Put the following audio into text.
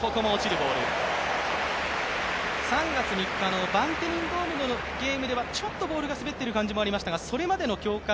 ３月３日のバンテリンドームでのゲームではちょっとボールが滑っている感じもありましたが、それまでの強化